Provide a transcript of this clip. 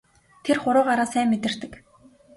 Тэр хуруугаараа сайн мэдэрдэг.